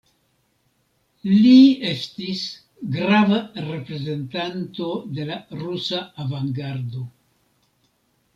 Li estis grava reprezentanto de la rusa avangardo.